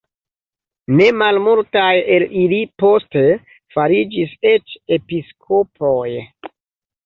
Ne malmultaj el ili poste fariĝis eĉ episkopoj.